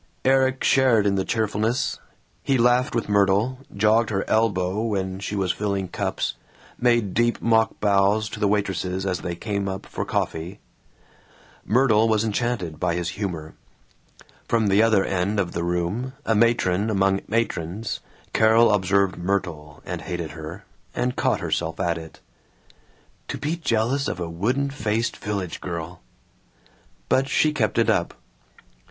Erik shared in the cheerfulness. He laughed with Myrtle, jogged her elbow when she was filling cups, made deep mock bows to the waitresses as they came up for coffee. Myrtle was enchanted by his humor. From the other end of the room, a matron among matrons, Carol observed Myrtle, and hated her, and caught herself at it. "To be jealous of a wooden faced village girl!" But she kept it up.